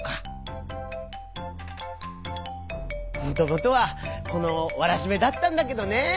もともとはこのわらしべだったんだけどね。